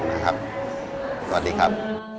สวัสดีครับ